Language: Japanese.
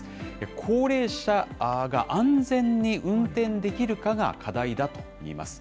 高齢者が安全に運転できるかが課題だといいます。